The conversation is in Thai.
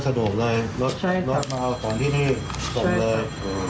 ก็สะดวกเลยรถมาต่อที่นี่ส่งเลย